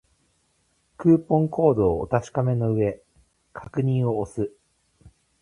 クーポンコードをお確かめの上、確認を押す